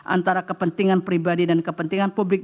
antara kepentingan pribadi dan kepentingan publik